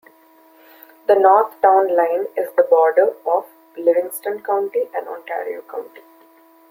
The north town line is the border of Livingston County and Ontario County.